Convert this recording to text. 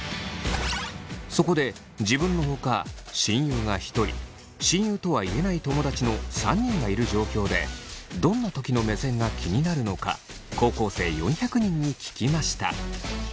そこで自分のほか親友が１人親友とは言えない友達の３人がいる状況でどんなときの目線が気になるのか高校生４００人に聞きました。